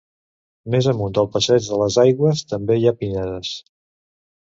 Més amunt del passeig de les Aigües, també hi ha pinedes.